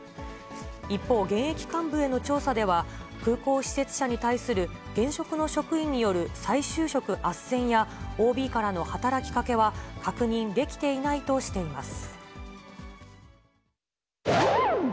一方、現役幹部への調査では、空港施設社に対する現職の職員による再就職あっせんや、ＯＢからの働きかけは確認できていないとしています。